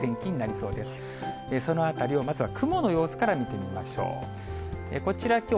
そのあたりをまずは雲の様子から見てみましょう。